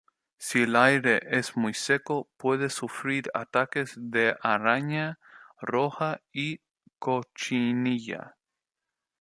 Si el aire es muy seco, puede sufrir ataques de araña roja y cochinilla.